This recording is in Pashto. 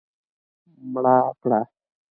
مړه کړه